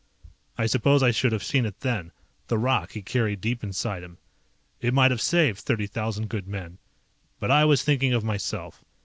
I suppose I should have seen it then, the rock he carried deep inside him. It might have saved thirty thousand good men. But I was thinking of myself.